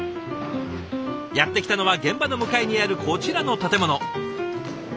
やって来たのは現場の向かいにあるこちらの建物。